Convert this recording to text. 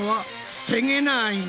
防げないの？